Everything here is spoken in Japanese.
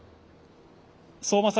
相馬さん